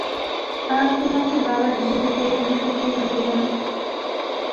আর তোমাকে বাবা হিসেবে পেয়ে আমি সত্যিই ভাগ্যবান।